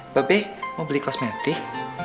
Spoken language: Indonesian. mbak be mau beli kosmetik